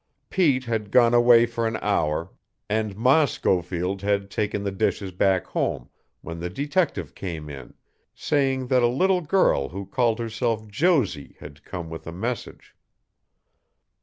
Pete had gone away for an hour, and Ma Schofield had taken the dishes back home, when the detective came in, saying that a little girl who called herself Josie had come with a message.